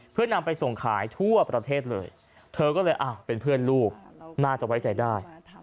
เพื่อนำไปส่งขายทั่วประเทศเลยเธอก็เลยเป็นเพื่อนลูกน่าจะไว้ใจได้